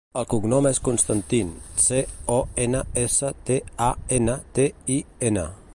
El cognom és Constantin: ce, o, ena, essa, te, a, ena, te, i, ena.